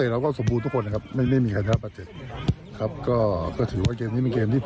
เอาข้อผิดพลาดจากเกมแรกนะครับ